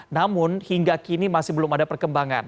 namun hingga kini masih belum ada perkembangan